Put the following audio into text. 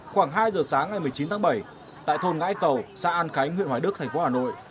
khoảng hai giờ sáng ngày một mươi chín tháng bảy tại thôn ngãi cầu xã an khánh huyện hoài đức thành phố hà nội